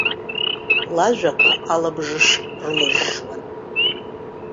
Лажәақәа алабжыш рылжжуан.